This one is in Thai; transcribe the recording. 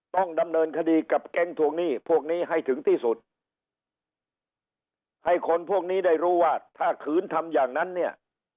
ต้องดำเนินคดีกับแก๊งทวงหนี้พวกนี้ให้ถึงที่สุดให้คนพวกนี้ได้รู้ว่าถ้าขืนทำอย่างนั้นเนี่ย